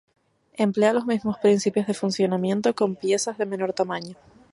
Emplea los mismos principios de funcionamiento, con piezas de menor tamaño.